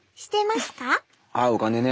あお金ね。